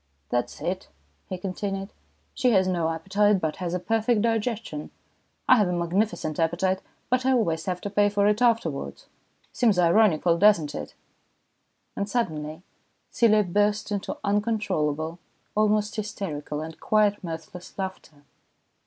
" That's it," he continued. " She has no appetite, but has a perfect digestion. I have a magnificent appetite, but I always have to pay for it afterwards. Seems ironical, doesn't it ?" And suddenly Celia burst into uncontrollable, almost hysterical, and quite mirthless laughter.